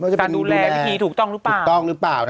การดูแลพิธีถูกต้องหรือเปล่า